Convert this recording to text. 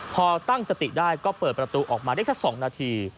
พอตั้งสติได้ก็เปิดประตูออกมาได้สัก๒นาที